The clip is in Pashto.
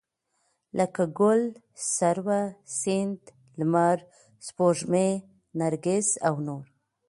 لکه ګل، سروه، سيند، لمر، سپوږمۍ، نرګس او نور